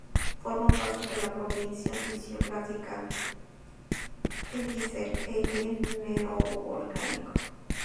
Forma parte de la provincia fisiográfica X del Eje Neovolcánico.